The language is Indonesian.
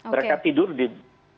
mereka tidur di rumah yang tidak berkaca